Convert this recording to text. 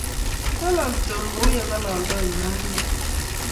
Ng'aloli Tom kou ye ng'alaldai Maria